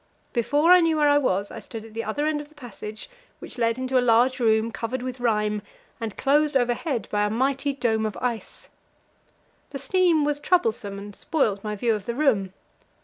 Before I knew where I was, I stood at the other end of the passage, which led into a large room, covered with rime, and closed overhead by a mighty dome of ice. The steam was troublesome, and spoilt my view of the room.